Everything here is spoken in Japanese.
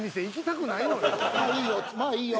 「まあいいよ」